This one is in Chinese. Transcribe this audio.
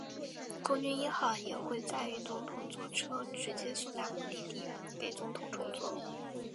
空军一号也会载运总统座车直接送达目的地给总统乘坐。